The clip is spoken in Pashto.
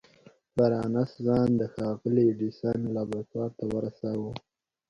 بارنس ځان د ښاغلي ايډېسن لابراتوار ته ورساوه.